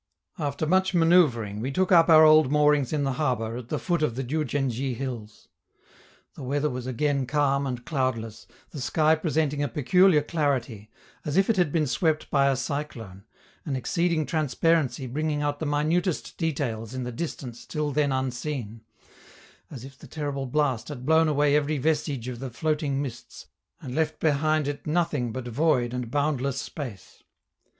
After much manoeuvring we took up our old moorings in the harbor, at the foot of the Diou djen dji hills. The weather was again calm and cloudless, the sky presenting a peculiar clarity, as if it had been swept by a cyclone, an exceeding transparency bringing out the minutest details in the distance till then unseen; as if the terrible blast had blown away every vestige of the floating mists and left behind it nothing but void and boundless space.